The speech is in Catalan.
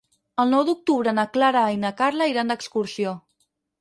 El nou d'octubre na Clara i na Carla iran d'excursió.